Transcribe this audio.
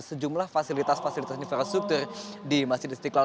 sejumlah fasilitas fasilitas infrastruktur di masjid istiqlal